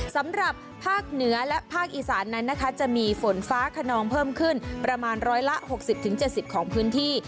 สำหรับภาคเหนือและภาคอีสานนั้นนะคะจะมีฝนฟ้าขนองเพิ่มขึ้นประมาณร้อยละ๖๐๗๐ของพื้นที่